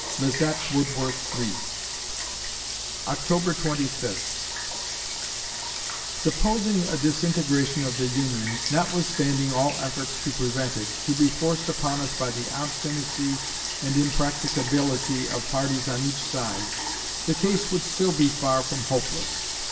LIZETTE WOODWORTH REESE October Twenty Fifth Supposing a disintegration of the Union, notwithstanding all efforts to prevent it, to be forced upon us by the obstinacy and impracticability of parties on each side the case would still be far from hopeless.